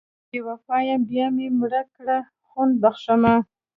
که بې وفا یم بیا مې مړه کړه خون بښمه...